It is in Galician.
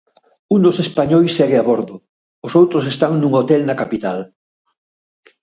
Un dos españois segue a bordo, os outros están nun hotel na capital.